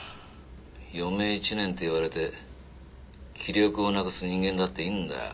余命１年って言われて気力をなくす人間だっているんだよ。